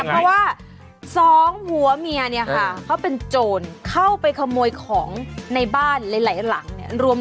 เพราะว่าสองผัวเมียเนี่ยค่ะเขาเป็นโจรเข้าไปขโมยของในบ้านหลายหลังเนี่ย